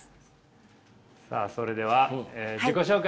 さあそれではえ自己紹介